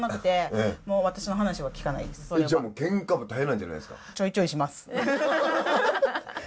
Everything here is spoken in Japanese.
じゃあもうけんかも絶えないんじゃないですか？